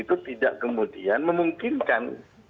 itu tidak kemudian memungkinkan